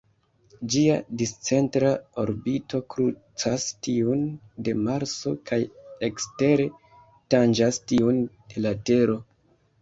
Ĝia discentra orbito krucas tiun de Marso kaj ekstere tanĝas tiun de la Tero.